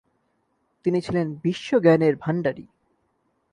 তিনি ছিলেন বিশ্বজ্ঞানের ভাণ্ডারী।